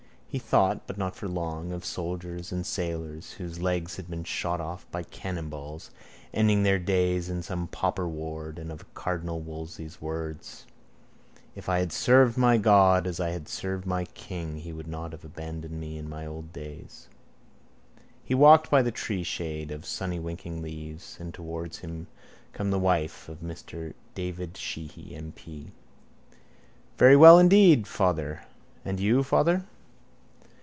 He thought, but not for long, of soldiers and sailors, whose legs had been shot off by cannonballs, ending their days in some pauper ward, and of cardinal Wolsey's words: If I had served my God as I have served my king He would not have abandoned me in my old days. He walked by the treeshade of sunnywinking leaves: and towards him came the wife of Mr David Sheehy M.P. —Very well, indeed, father. And you, father?